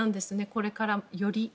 これから、より。